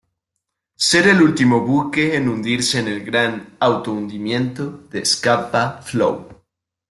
Ser el último buque en hundirse en el gran auto hundimiento de Scapa Flow.